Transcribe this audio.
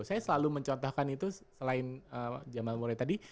saya selalu mencontohkan itu selain jamal murid tadi